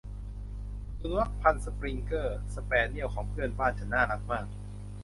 สุนัขพันธุ์สปริงเกอร์ สแปเนียลของเพื่อนบ้านฉันน่ารักมาก